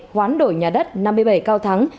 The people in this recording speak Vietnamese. khoán đổi nhà đất năm mươi bảy cao thắng